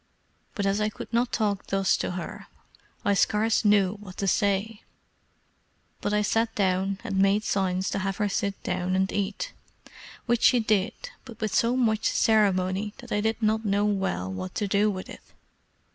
But as I could not talk thus to her, I scarce knew what to say; but I sat down, and made signs to have her sit down and eat, which she did, but with so much ceremony that I did not know well what to do with it.